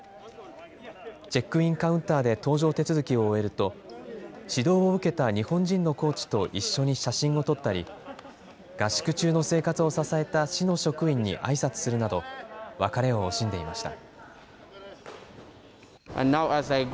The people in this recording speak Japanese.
チェックインカウンターで搭乗手続きを終えると、指導を受けた日本人のコーチと一緒に写真を撮ったり、合宿中の生活を支えた市の職員にあいさつするなど、別れを惜しんでいました。